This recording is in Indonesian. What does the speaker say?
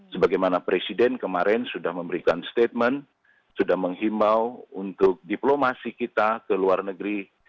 sebagaimana presiden kemarin sudah memberikan statement sudah menghimbau untuk diplomasi kita ke luar negeri